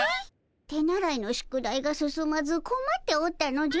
手習いの宿題が進まずこまっておったのじゃ。